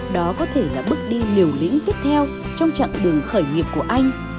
đó có thể là bước đi liều lĩnh tiếp theo trong chặng đường khởi nghiệp của anh